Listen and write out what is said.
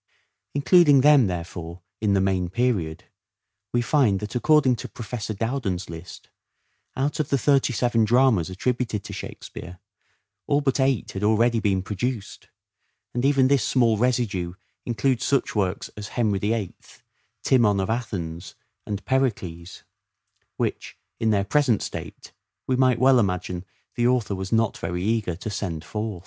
Includ ing them, therefore, in the main period, we find that according to Professor Dowden's list, out of the thirty seven dramas attributed to Shakespeare all but eight had already been produced, and even this small residue includes such works as " Henry VIII," " Timon of Athens " and " Pericles," which, in their present state, we might well imagine the author was not very eager to send forth.